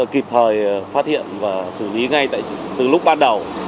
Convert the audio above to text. kịp thời phát hiện và xử lý ngay từ lúc ban đầu